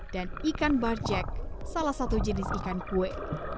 dan ikan barjack salah satu jenis ikan kue